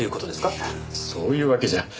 いやそういうわけじゃ。